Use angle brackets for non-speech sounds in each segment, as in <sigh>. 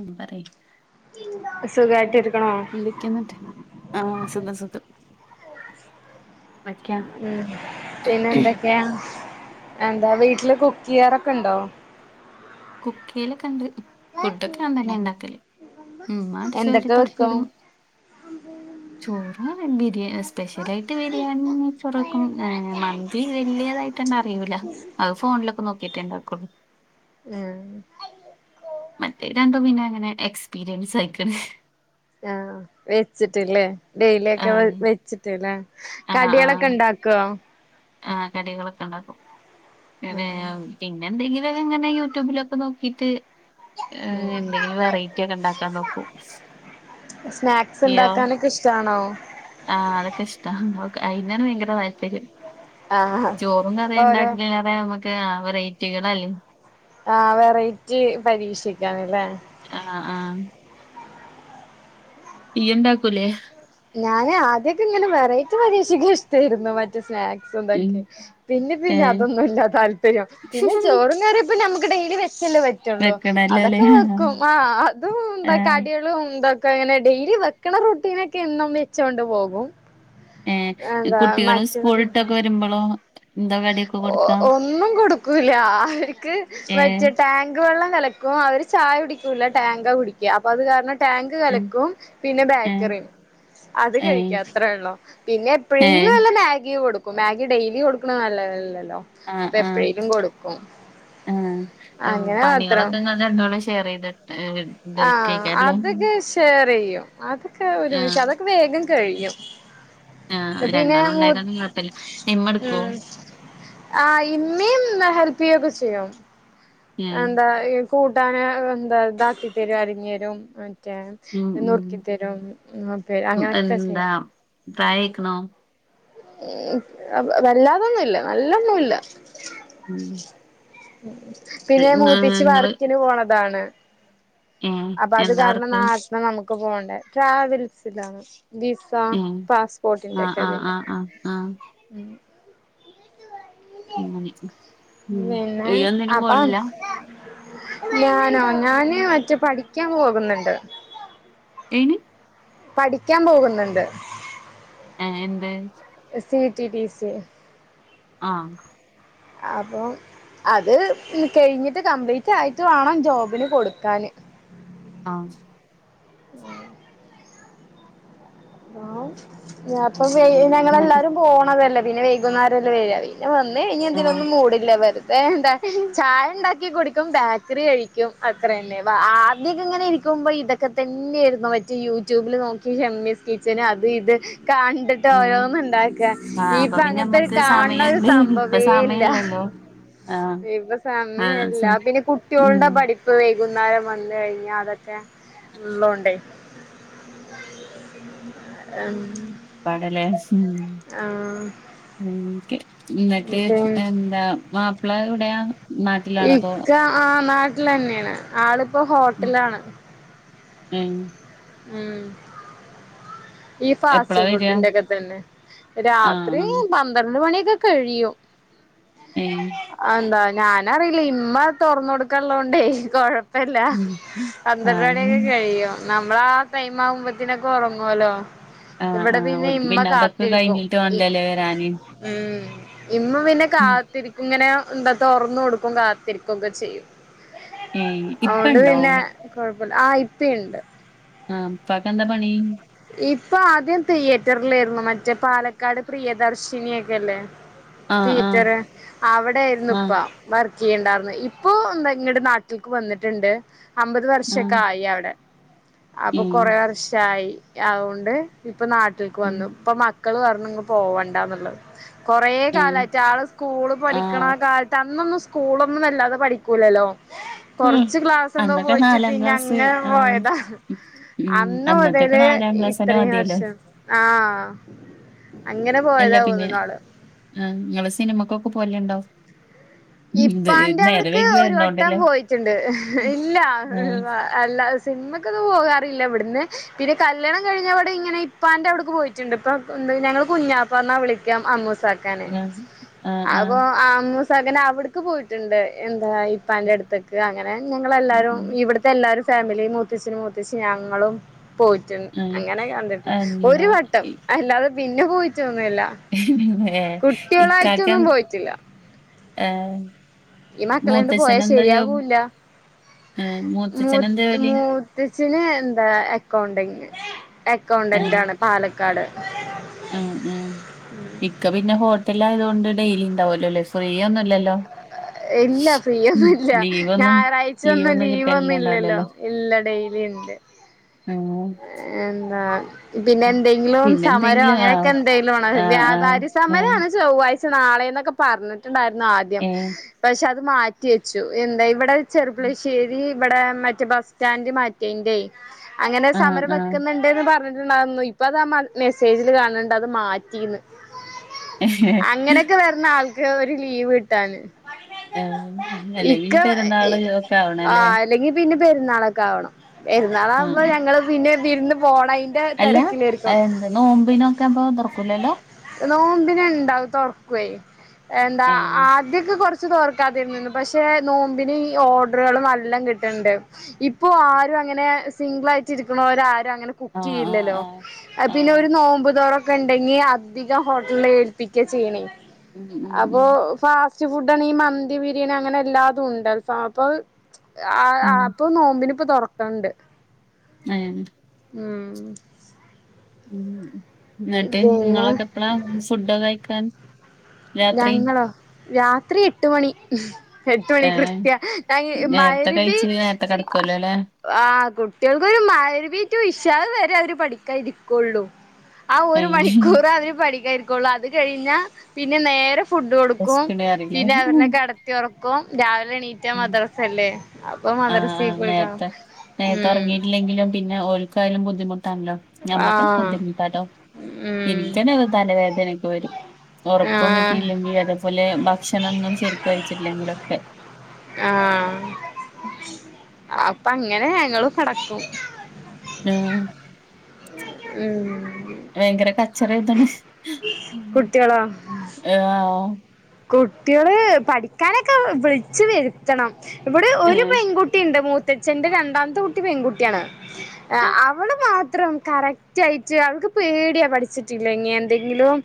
ഉം പറയ് സുഖായിട്ടിരിക്കുണു ഇന്ന്ട്ട് ആഹ് സുഖം സുഖം എന്തൊക്കെയാ ഉം പിന്നെ എന്തൊക്കെയാ എന്താ വീട്ട്ല് കുക്കിയ്യാറൊക്കെ ഇണ്ടോ കുക്കിയ്യലൊക്കണ്ട് ഫുഡൊക്കെ ഞാൻ തന്നെ ഇണ്ടാക്കല് ഇമ്മാ അട് ചോരി എന്തൊക്കെ തൊടച്ചേരും <unintelligible> ചോറും ബിരി സ്പെഷ്യലായിട്ട് ബിരിയാണിം നെയ്ചോറക്കും മന്തി വല്ല്യതാ ട്ടണ് അറിയൂല്ല അത് ഫോണിലൊക്ക നോക്കിട്ടേണ്ടാക്കൊള്ളൂ ഏഹ് മറ്റേ രണ്ടും പിന്നെ അങ്ങനെ എക്സ്പീരിയൻസ് ആയ്ക്ക്ണ് ആഹ് വെച്ചിട്ട്ല്ലേ ഡെയ്ലി ഒക്ക വെ ആഹ് വെച്ചിട്ട്ല്ലേ ആഹ് കടേളൊക്കെ ആഹ് ഇണ്ടാക്കോ ആഹ് കടികളൊക്ക ഇണ്ടാക്കും ഉം <unintelligible> പിന്നെ എന്തെങ്കിലും ഒക്കെ ഇങ്ങനെ യൂട്യൂബിലൊക്കെ നോക്കീറ്റ് ഏഹ് ഉം എന്തെങ്കിലും വെറൈറ്റി ഒക്ക ഇണ്ടാക്കാ നോക്കും സ്നാക്സ് ഇയ്യോ ഇണ്ടാക്കാനൊക്ക ഇഷ്ടാണോ ആഹ് അതൊക്കെ ഇഷ്ട അതൊക്ക അയ്നാണ് ഭയങ്കര താല്പര്യം ആഹ് ചോറും കറിം ഓരോ ഇണ്ടാക്കി കഴിഞാ നമുക്ക് വെറൈറ്റികളല്ലേ ആഹ് വെറൈറ്റി പരീക്ഷിക്കാന്ല്ലേ ആഹ് ആഹ് ഇയ്യ്ണ്ടാക്കൂലേ ഞാൻ ആദ്യൊക്കെ ഇങ്ങനെ വെറൈറ്റി പരീക്ഷിക്ക ഇഷ്ടയിരുന്നു സ്നാക്സ് ഉം തൊക്കെ പിന്നെ പിന്നെ ഏഹ് അതൊന്നുംല്ല താല്പര്യം പിന്നെ ചോറും കറിയും നമുക്ക് ഡെയിലി വെച്ചല്ലേ പറ്റൂ റ്റുള്ളൂ വെക്കണല്ലോല്ലേ അതൊക്കെ വെക്കും ആ അതും ആഹ് ന്താകടിയളും തൊ ക്കങ്ങനെ ഡെയിലി വെക്കണ റുട്ടീനൊക്കെ എന്നും വെച്ചുകൊണ്ട് പോകും ഏ ഹ് എന്താ കുട്ടികള് മറ്റതൊക്കെ സ്കൂളിട്ടൊക്കെ വരുമ്പോളോ ഒന്നും കൊടുക്കൂല അവർക്ക് ഏഹ് മറ്റേ ടാങ്ക് വെള്ളം കലക്കി ഇപ്പൊ അവർ ചായ കുടിക്കൂല്ല ടാങ്ക കുടിക്കുക അപ്പഅത് കാരണം ടാങ്ക് ഉം കലക്കും പിന്നെ ഏഹ് ബേക്കറിയും അത് ഏഹ് കഴിക്കാ അത്രേള്ളൂ പിന്നെ എപ്പോഴെങ്കിലും ഏഹ് വല്ല മാഗി കൊടുക്കും മാഗി ഡെയിലി കൊടുക്കണ നല്ലതല്ലല്ലോ ആ അപ്പൊ ആ എപ്പോഴേലും കൊടുക്കും ആ അങ്ങനെ മാത്രം പണികളൊന്താ അത് രണ്ടാളും ഷെയർ ചെയ്തിട്ട് അ ഇട്ക്കേക്കാരല്ലേ? അത് ക് ശ് ഷെറയും അതൊക്കെ ഒരുവിഷം ആഹ് അതൊക്കെ വേഗം കഴിയും ആ പിന്നെ രണ്ടാളും മൂ ഉണ്ടായതോണ്ട് കുഴപ്പല്ല ഇമ്മ ഇടുക്കൊ ആ ഇമ്മീം ഹെൽപ് ചെയ്യൊക്കെ ചെയ്യും ഏഹ് എന്താ കൂട്ടാന് എന്താ ഇതാക്കി തരും അരിഞ്ഞു തരും മറ്റ റ്റേ ഉം ഉം നുറുക്കിത്തരും പ ഉം അങ്ങനെയൊക്കെ എന്താ ചെയ്യും പ്രായായിക്കണോ ഉം വല്ലാതൊന്നുല്ല നല്ലൊന്നുല്ല ഉം പിന്നെ ഇങ്ങ മൂത്തച്ചി ഇങ്ങള് വർക്കിന് പോണതാണ് ഏ അപ്പൊ അത് എന്താ കാരണം വർക്ക് നേരത്തെ നമുക്ക് പോകണ്ട ട്രാവൽസിലാണ് പാ ഏ പാസ്പോർട്ടിന്റെ ആ ഒക്കെ ആ തിന്റെ ആ ആ ആ ഉം <unintelligible> ഉം പിന്നെ ഇയ്യ് ഒന്നിനും അപ്പം പോണില്ല ഞാനോ ഞാന് മറ്റേ പഠിക്കാൻ പോകുന്നുണ്ട് എനി പഠിക്കാൻ പോകുന്നുണ്ട് ഏ എന്ത് S T T P C ആഹ അപ്പം അത് കഴിഞ്ഞിട്ട് കംപ്ലീറ്റ് ആയിട്ട് വേണം ജോബിന് കൊടുക്കാൻ ആഹ ആ അപ്പ എന്നിട്ട് ഞങ്ങളെല്ലാരും പോണതല്ലേ പിന്നെ വൈകുന്നേരംല്ലേ വര വന്ന് കഴിഞ്ഞ ആ ഇതിനൊന്നും മൂടില്ല വെുത എന്താ ചായ ഉണ്ടാക്കി കുടിക്കും ബാ കറി കഴിക്കും അത്ര തന്നെ അപ്പ ആദ്യൊക്കെ ഇങ്ങനെ ഇരിക്കുമ്പോൾ ഇതൊക്കെ തന്നെയായിയിരുന്നു മറ്റേ യൂട്യൂബിൽ നോക്കി ഷമ്മിസ് കിച്ചന് അത് ഇത് കണ്ട ട്ട് ഉം ഓരോന്ന്ണ്ടാക്ക ആ അപ്പൊ യിപ്പ പിന്നെ അങ്ങനത്തെ ഒരു നമ്മക്ക് കാണണ ഒരു സമയണ്ട് ഇപ്പൊ സംഭവേ ഇല്ല സമയല്ലല്ലോ ആ ഇപ്പൊ ആ സ സമയല്ല പിന്നെ ഉം കുട്ടികളുടെ പഠി പ്പ ഇപ്പ വൈകുന്നേരം വന്ന് കഴിഞ്ഞാ അതൊക്കെ ഉള്ളോണ്ടേ ഉം <unintelligible> പാടലേ ഉം ആ ഉംകെ ന്നട്ട് ഉം. എന്താ മാപ്പിള എവിടെയാ നാട്ടിലാണോ അതോ ഇക്ക ആഹ് നാട്ടിലെന്നെയാണ് ആളിപ്പോ ഉം ഹോട്ടലാണ് ഉം ഉം ഈ ഫാസ്റ്റ് എപ്പളാ വരാ ഫുഡിന്റെൊക്കെ തന്നെ ആഹ് രാത്രി ആഹ് പന്ത്രണ്ട് മണിയൊക്കെ കഴിയും ഏഹ് അഹന്താ ഞാനറിയില്ല ഇമ്മ തുറന്ന കൊടുക്കാൻള്ളോണ്ടേ കൊഴ പ്പല്ല ഉം ആഹ് പന്ത്രണ്യോക്കെ കഴിയും മ്മളാ ടൈം ആവുമ്പത്തിനൊക്കെ ഒറങ്ങുല്ലോ ആഹ് ഇവിടെ ആഹ് പിന്നെ ഓൽക്ക് ഇമ്മ അതൊക്കെ കാത്തിരിക്കും കഴിഞ്ഞിട്ട് വാണല്ലോല്ലേ വരാന് ഉം ഇമ്മ പിന്നെ ഉം കാത്തിരിക്കും ഇങ്ങനെ എന്താ തൊർന്നു കൊടുക്കും കാത്തിരിക്കുക്കെ ചെയ്യും ഏഹ് അതൊണ്ട് ഇപ്പണ്ടോ പിന്നെ കൊഴപ്പല്ല ആഹ് ഇപ്പിണ്ട് ആഹ് പ്പാക്കെന്താ പണി ഇപ്പ ആദ്യം തിയേറ്ററിലായിരുന്നു മറ്റേ പാലക്കാട് പ്രിയദർശിനിയൊക്കെല്ലേ ആഹ് ആഹ് തിയെറ്റർ അവിടെ ആയിരുന്നു ഇപ്പ ആഹ് വർക്ക് ചെയ്യണ്ടാർന്ന് ഇപ്പൊ എന്താ ഇങ്ങടെ നാട്ടിക്ക് വന്നിട്ടുണ്ട് അമ്പത് ആഹ് വർഷൊക്കെ ആയി അവിടെ അപ്പൊ ഏഹ് കൊറെ വർഷയി അതുകൊണ്ട് ഇപ്പൊ നാട്ടിൽക്ക് ഉം വന്നു ഇപ്പ മക്കള് പർഞു ഇങ്ങ് പോവണ്ടാന്നുള്ള കൊറേ ഏഹ് കാലയ്ട്ട് ആള് സ്കൂള് പഠിക്ണ ആഹ് ആ കാൽ തന്നൊന്നും സ്കൂളൊന്നും വല്ലാതെ പഠിക്കൂലല്ലോ ഉം കൊറച്ച് ക്ലാസ് എന്തോ അന്നൊക്കെ പോയിട്ട് നാലാം പിന്നെ ക്ലാസ് അങ്ങനെ ആഹ് പോയതാ ഉം അന്ന് അന്നത്തൊക്കെ മുതല് നാലാം ക്ലാസ്സന്നെ ഇത്രേം മതിയല്ലോ വർഷം ആഹ് അങ്ങനെ അല്ല പോയതാ പിന്നെ ഓന്ന്ണ് ഓള് ആഹ് ങ്ങള് സിനിമക്കൊക്കെ പോലുണ്ടോ ഇപ്പാന്റെവിടക്ക് വൈകി ഒരു വട്ടം വരണോണ്ടല്ലേ പോയിട്ടുണ്ട് ഇല്ല ആഹ് അല്ല സിനിമക്കൊത് പോകാറില്ല ഇവിടുന്ന് പിന്നെ കല്യാണം കഴിഞ്ഞാ വിടെ ഇങ്ങനെ പ്പാൻ്റെവിടക്ക് പോയിട്ടുണ്ട് ഇപ്പം ഞങ്ങൾ കുഞ്ഞാപ്പ ന്നാ വിളിക്കാ അമ്മൂസ ക്കാന് ആഹ് ആഹ് അപ്പൊ ആഹ് ആമ്മു പങ്ങനെ അവിടക്ക് പോയിട്ടുണ്ട് എന്താ ഇപ്പാന്റെ അടുത്തേക്ക് അങ്ങനെ ഞങ്ങളെല്ലാരും ഉം ഇവിട് പെല്ലാരും ഫാമിലി മൂത്തഛനു മൂത്തച്ചി ഞങ്ങളും പോയി റ്റ് ആഹ് അങ്ങനെ കണ്ടിക്ണ് ഒരു എന്താ വട്ടം അല്ലാതെ പിന്നെ പോയിറ്റൊന്നു ഇല്ല ഏഹ് ഇക്കാക്ക കുട്ടികളായിട്ടൊന്നും പോയിട്ടില്ല ഏഹ് ഈ മക്കളെണ്ട് പോയാ മൂത്തച്ഛനെന്താ ജോബ്? ശരിയാകൂല്ല ഏഹ് മൂ മൂത്തച്ഛനെന്താ ജോലി? മൂ ത്തഛന് എന്താ അക്കൗണ്ടന് അക്കൗണ്ടന്റ് ആണ് പാലക്കാട് അഹ് അഹ് ഇക്ക പിന്നെ ഹോട്ടലായതൊണ്ട് ഡെയിലി ഉണ്ടാവല്ലോല്ലേ ഫ്രീ ഒന്നുഇല്ലല്ലോ ഇല്ല ഫീ ഒന്നുംല്ല ലീവൊന്നും ഞായറാഴ്ച ഒന്നും ലീവൊന്നും ലീവ് ഒന്നും ഇല്ലല്ലോ കിട്ടല്ണ്ടാവില്ലല്ലോ ഇല്ലാ ഡെയിലിണ്ട് ആഹ് ഏന്താ പിന്നെ എന്തെങ്കിലും സമരോ പിന്നെന്തെങ്കിലും അങ്ങനെയൊക്കെ ആഹ് എന്തെലും ആണോ ആഹ് ആഹ് വ്യാപാരി ആഹ് സമരാണ് ചൊവ്വാഴ്ച ച്ച നാളെന്നൊക്കെ പറഞ്ഞിട്ടുണ്ടായിരുന്നു ആദ്യം ഏഹ് പക്ഷെ അത് മാറ്റി വെച്ചു എന്താ ഇവിടെ ചെറുപ്പുളശ്ശേരി ഇവിടെ മറ്റേ ബസ് സ്റ്റാൻഡ് മാറ്റയിന്റെ അങ്ങനെ ആഹ് സമര ആഹ് വെക്കുന്നു ണ്ട്ന്ന് പറഞ്ഞിട്ടുണ്ടായിരുന്നു ഇപ്പ അത് ആഹ് മെസ്സേജിൽ കാണണ്ട് അത് മാറ്റിന്ന് അങ്ങനൊക്കെ വര്ന്നം ആൾക്ക് ഒരു ലീവ് കിട്ടാന് ആഹ് ഇക്ക അല്ലെങ്കി ഇ- പെരുന്നാള് ഒക്കെ ആ ആവണല്ലേ? അല്ലെങ്കി പിന്നെ പെരുന്നാളൊക്കെ ആവണം പെരുന്നാൾ ആകുമ്പോ ഞങ്ങള് പിന്നെ വിരുന്ന് പോണയ് അല്ലഎന്താ നോമ്പിൻ ഒക്കെ അപ്പൊ തൊർക്കൂലല്ലോ നോമ്പിൻ എന്താ തോർക്കുവേ എന്താ ആഹ് ഏഹ് ആതിയൊക്കെ കുറച്ച് തൊറ ക്കാതിരുന്നിന് പക്ഷെ നോമ്പിന് ഈ ഓർഡറുകൾ നല്ലോം കിട്ടുന്നുണ്ട് ഇപ്പൊ ആരും അങ്ങനെ സിംഗിൾ ആയിട്ട് ച്ച് ആരും അങ്ങനാ കുക്ക് ആഹ് ആഹ് ചെയ്യില്ലല്ലോ ആഹ് പിന്നെ ആഹ് ഒരു നോമ്പ് തൊറ ഇക്ക ഉണ്ടെങ്കിൽ അധികം ഹോട്ടലിൽ ഏൽപ്പിക്ക ചെയീണ് ഉം ഉം അപ്പൊ ഉം ഫാസ്റ്റ് ഫുഡ് ആണ് ഈ മന്തി ബിരിയാണി അങ്ങനെ എല്ലാതും ഉണ്ട്അൽഫാ അപ്പാ ഉം ആഹ് ഇപ്പൊ നോമ്പിൻ ഇപ്പ തുറക്ക്ണ്ട് ഏഹ് ഉം ഉം ഇന്നിട്ട് പിന്നെ നിങ്ങളൊക്കെ എപ്പഴാ ഫുഡ്ഒക്കെ കഴിക്കാൻ രാത്രി ഞങ്ങളോ രാത്രി എട്ട് മണി എട്ട് മണി ഏഹ് കൃത്യ അഹ് നേരത്തെ മഗ്‌രിബി കഴിച്ച് നേരത്തെ കെടക്കുവല്ലോ അല്ലേ ആഹ് കുട്ടികൾക്ക് ഒരു മഹരിബ് റ്റു ഇഷാഹ് വരെ അവര് പഠിക്കാൻ ഇരിക്കോള്ളൂ ആഹ് ഒരു ഏഹ് മണിക്കൂർ അവന് പഠിക്കാൻ ഇരിക്കോള്ളൂ അത് കഴിഞ്ഞാ പിന്നെ നേരെ ഫുഡ് കൊടുക്കും വെശക്കണ് പറയില്ലേ പിന്നെ അവനെ കെടത്തി ഉറക്കും രാവിലെ എണീ മറ്റെ ഉം മദ്രസല്ലേ അപ്പൊ ആഹ് മദ്രസ ആഹ് പോയിക്കണം നേരത്തെ നേരത്തെ ഒറങ്ങിയിട്ടില്ലെങ്കിലും പിന്നെ ഓൽക്കായാലും ബുദ്ധിമുട്ടാണല്ലോ? ഞമ്മക്കന്നേ ആഹ് ബുദ്ധിമുട്ടാട്ടോ ഉം എനിക്കെന്നെ തലവേദന ഒക്കെ വരും ഉറക്കം ആഹ് കിട്ടയില്ലെങ്കിൽ അതേപോലെ ഭക്ഷണം ഒന്നും ശരിക്ക് കഴിച്ചില്ലെങ്കിൽ ഒക്കെ ആഹ് അ അപ്പ അങ്ങനെ ഞങ്ങളും കിടക്കും ആഹ് ഉം ഭയങ്കര കച്ചറാ ആയ്താണ് കുട്ടികളോ <unintelligible> കുട്ടികള് പഠിക്കാനൊക്കെ വിളിച്ചു വരുത്തണം ഇവിടെ ഒരു ഏഹ് പെൺകു കുട്ടി ഉണ്ട് മൂത്തച്ഛന്റെ രണ്ടാമത്തെ കുട്ടി പെൺകുട്ടിയാണ് ആഹ് അവള് മാത്രം കറക്റ്റ് ആയിട്ട് അവൾക്ക് പേടിയാ പഠിച്ചിട്ടില്ലക്കിൽ എന്തെങ്കിലും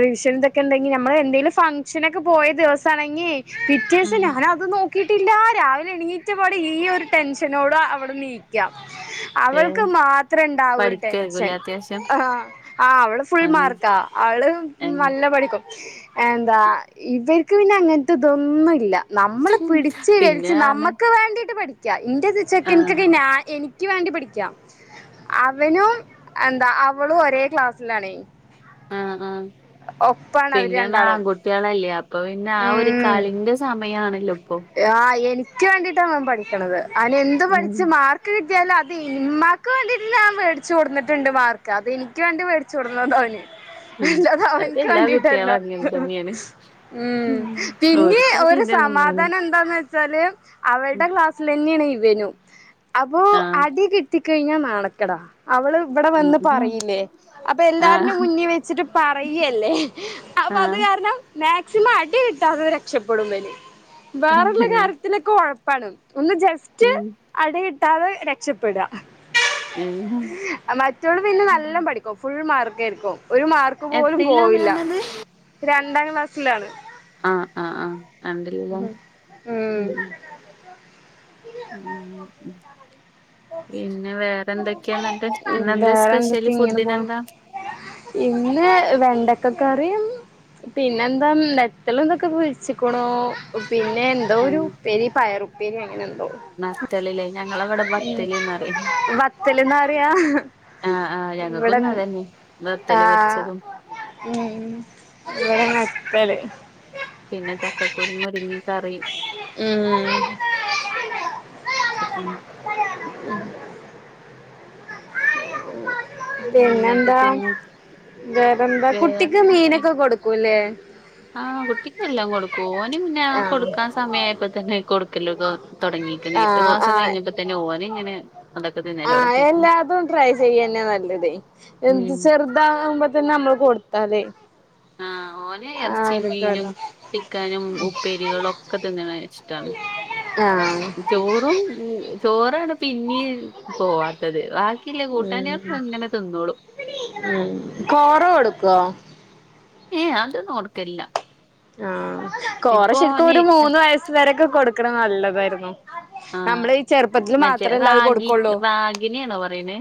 റിവിഷ്യൻന്തൊക്കെ ഉണ്ടെങ്കിൽ നമ്മള് എന്തെങ്കലും ഫങ് ക്ഷനൊക്കെ പോയ ദിവസംആണങ്കിൽ പിറ്റേ ദിവസം ഉം ഞാനത് നോ യിട്ടില്ല രാവിലെ എണീറ്റ പാടെ ഈ ഒരു ടെൻഷനോട് അവൾ നീക്കാ അവൾക്ക് ഏഹ് മാത്രം ഉണ്ടാവും ഒരു ടെൻഷൻ പഠിക്കായിരിക്കുംല്ലേ അത്യാവശ്യം ആഹ് ആഹ് അവള് ഫുൾ ആഹ് മാർക്കാ അവള് ഏഹ് നല്ല പഠിക്കും എന്താ ഇവർക്ക് പിന്നെ അങ്ങനത്തെ ഇതൊന്നുമില്ല നമ്മൾ പിടിച്ച് പിന്നെ വലിച്ച് പറഞ്ഞ് നമുക്ക് വേണ്ടിട്ട് പഠി ക്കാ ഇന്റെചെക്കന്ക്ക് ആഹ് ഒക്കെ ഞാൻ എനിക്ക് വേണ്ടി പടിക്കാ അവനും എന്താ അവളും ഒരേ ക്ലാസ്സിലാണ് ആഹ് ആഹ് അവര് പിന്നെ ന്ന രണ്ടാളും ആൺകുട്ടികളല്ലേ അപ്പൊ പിന്നെ ആഹ് ഒരു ഉം കളിന്റെ സമയണല്ലോ ഇപ്പൊ? ആഹ് എനിക്ക് വേണ്ടിട്ടാണ് അവൻ പഠിക്ക്ണത് അവൻ എന്ത് ഉം പഠിച്ച് മാർ ക്ക് കിട്ടിയാൽ അത് ഇമാക്ക് വേണ്ടിയിട്ട്ഞാൻമെടിച്ച് കൊടുന്നിട്ടുണ്ട് മാർക്ക് അത് എനിക്ക് വേണ്ടി മേടിച്ചു കൊടുന്നതാ ഓന് ഉം അല്ലാതെ അത് അവൻക്ക് എല്ലാ വേണ്ടിട്ടല്ല കുട്ടികളും അങ്ങനെ തന്നെയാണ് ഉം പിന്നേ ഓര്ക്ക് ആ ഒരു ചിന്തയൊന്നും ഉണ്ടാവൂല സമാധാനം എന്താന്ന് വച്ചാല് അവളുടെ ക്ലാസ്സിൽ തന്നെയാണ് ഇവനും അപ്പോ അടി കി ട്ടിക്കഴിഞ്ഞാ നാണക്കടാ അവള് ഇവിടെ വന്ന് ആഹ് പറയില്ലേ അപ്പൊ എല്ലാരുടെയും ആഹ് മുന്നിൽ വെച്ചിട്ട് പറയല്ലേ അപ്പൊ അത് ആഹ് കാരണം മാക്സിമം അടി കിട്ടാതെ രക്ഷപ്പെടും ഇവന് വേറൊള്ള ആഹ് കാര്യത്തിലൊക്കെ ഒഴപ്പാണ് ഒന്ന് ജെ ഉം അടി കിട്ടാതെ രക്ഷപ്പെടുക ഉം മറ്റോള് പിന്നെ നല്ല പഠിക്കും ഫുൾ മാർക്കായിരിക്കും ഒരു മാർക്ക് പോലും എത്രയിലാണ് പോവില്ല പറഞ്ഞത് രണ്ടാം ക്ലാസ്സിലാണ് ആഹ് ആഹ് ആഹ് രണ്ടിലല്ലേ ഉം ഉം ഉം പിന്നെ വേറെ എന്തൊക്കെയാ എന്നിട്ട് ഇന്നെന്താ വേറെന്തൊക്കെ സ്പെഷ്യല് ഇങ്ങനെ ഫുഡിന് പോണു എന്താ ഇന്ന് വെണ്ടക്ക കറിയും പിന്നെന്താ നെത്തൽ ഇതൊക്കെ പൊരിച്ചിക്കണൂ പിന്നെ എന്തോ ഒരു ഉപ്പേരി പയർ ഉപ്പേരിയോ അങ്ങനെ എന്തോ നത്തലില്ലേ ഞങ്ങളവിടെ ഉം ബത്തല്ന്ന് പറയും വത്തൽ എന്നാ പറയാ ആഹ് ആഹ് ഞങ്ങക്കും ഇവിടെ ഇന്ന് അത് തന്നെ വത്തല് ആഹ് പൊരിച്ചതും ഉം ഉം ഇവിടെ നത്തല് പിന്നെ ചക്കക്കുരു മുരിങ്ങ കറി ഉം <unintelligible> എന്നിട്ട് പിന്നെന്താ പിന്നെ വേറെന്താ കുട്ടിക്ക് വേറെന്തൊക്കെ മീനൊക്കെ കൊടുക്കൂല്ലേ ആഹ് കുട്ടിക്കെല്ലാം കൊടുക്കും ഓന് പിന്നെ ആ ആഹ് കൊടുക്കാൻ സമയായപ്പോ തന്നെ കൊടുക്കല് തുടങ്ങിയേക്കണ് എട്ട് ആഹ് മാസം ആഹ് കഴിഞ്ഞപ്പോ തന്നെ ഓന് ഇങ്ങനെ അതൊക്കെ <unintelligible> അതും ട്രൈ ചെയ്യന്നാ നല്ലത് എന്ത് ഉം ചെറുതാകുമ്പോ തന്നെ നമ്മള് കൊടുത്താലേ ആഹ് ഓന് ആഹ് ഇറച്ചിയും മീനും എടുക്കല്ലോ ചിക്കനും ഉപ്പേരികളും ഒക്കെ തിന്നണ ഇഷ്ടാണ് ആഹ് ചോറും ചോറാണ് പിന്നെയും പോവാത്തത് ബാ ക്കിയുള്ള ഉം കൂട്ടാനുകളൊക്കെ അങ്ങനെ തിന്നോളും ഉം കോറോ കൊടുക്കുവോ ഏ അതൊന്നും കൊടുക്കലില്ല ആഹ് കോറ ഇപ്പൊ ശരിക്കും ഓന് ഒരു മൂന്ന് വയ സ് വരെയൊക്കെ കൊടുക്കണ നല്ലതായിരുന്നു നമ്മടെ ആഹ് ഈ ചെറുപ്പത്തില് മറ്റേ മാത്രല്ലേ അത് റാഗി കൊടുക്കുള്ളൂ റാഗീനെയാണോ പറയണെ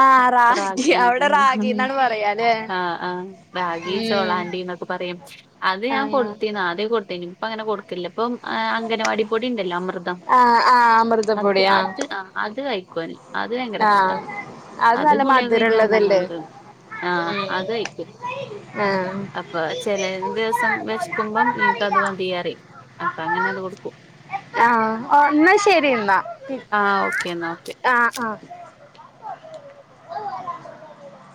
ആഹ് റാഗി ആ അവിടെ ആ റാഗി റാഗിന്നാണ് പറയാല്ലേ ആ ആ റാഗി ഉം ചോളാണ്ടീന്നൊ ക്കെ പറയും. അത് ഞാൻ ആഹ് കൊടുത്തീന് ആദ്യം കൊടുത്തീന് ഇപ്പം അങ്ങനെ കൊടുക്കലില്ല ഇപ്പൊ അംഗനവാടി പൊടിയുണ്ടല്ലോ അമൃതം ആഹ് ആഹ് അത് അമൃതപ്പൊടി ആഹ് അത് അത് കഴിക്കും ഓന് അത് ഭയങ്കര ഇഷ്ടവാ ആഹ് അത് നല്ല കുളിയൊക്കെ കഴിഞ്ഞാ മധുരള്ളതല്ലേ വന്നങ്ങനെ ആ ഉം അത് കഴിക്കും ആഹ് അപ്പൊ ചെല ദിവസം വിശക്കുമ്പം എനിക്കത് മതി പറയും അപ്പൊ അങ്ങനെ അത് കൊടുക്കും ആഹ്. എന്നാ ശരിന്നാ. ആഹ്. ഓക്കേന്ന ന്നാ ഓക്കെ. ആഹ്.